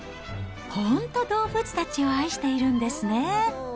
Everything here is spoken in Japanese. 本当、動物たちを愛しているんですね。